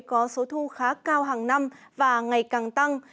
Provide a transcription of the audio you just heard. có số thu khá cao hàng năm và ngày càng tăng